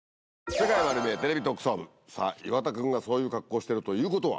『世界まる見え！テレビ特捜部』さぁ岩田君がそういう格好をしてるということは。